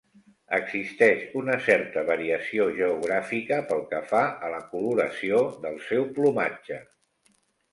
Existeix una certa variació geogràfica pel que fa a la coloració del seu plomatge.